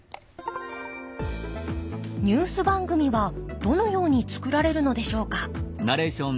ニュース番組はどのように作られるのでしょうか。